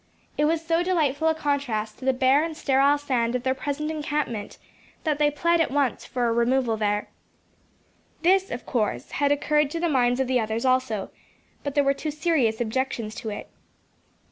It was so delightful a contrast to the bare and sterile sand of their present encampment, that they plead at once for a removal there. This, of course, had occurred to the minds of the others also; but there were two serious objections to it.